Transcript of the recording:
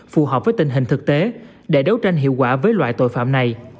phù hợp với tình hình thực tế để đấu tranh hiệu quả với loại tội phạm này